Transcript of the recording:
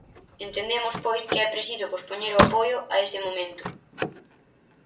Entendemos, pois, que é preciso pospoñer o apoio a ese momento.